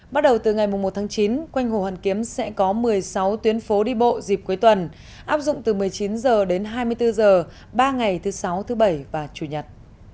bắt đầu từ ngày một tháng chín quanh hồ hoàn kiếm sẽ có một mươi sáu tuyến phố đi bộ dịp cuối tuần áp dụng từ một mươi chín h đến hai mươi bốn h ba ngày thứ sáu thứ bảy và chủ nhật